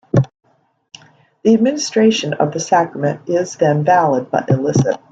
The administration of the sacrament is then valid but illicit.